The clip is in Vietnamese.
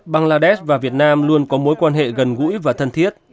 băng la đét và việt nam luôn có mối quan hệ gần gũi và thân thiết